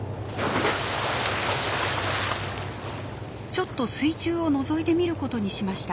ちょっと水中をのぞいてみることにしました。